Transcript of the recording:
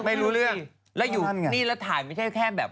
ไม่รู้เรื่องแล้วถ่ายไม่ได้แค่๒นาที